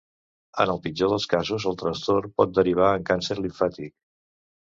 En el pitjor dels casos el trastorn pot derivar en càncer limfàtic.